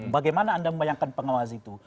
bagaimana anda membayangkan pengawas itu